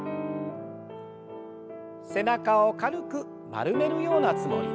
背中を軽く丸めるようなつもりで。